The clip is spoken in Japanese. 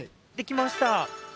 できました。